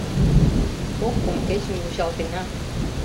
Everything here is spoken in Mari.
Кок-кум кечым вучалтена.